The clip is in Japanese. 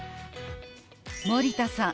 森田さん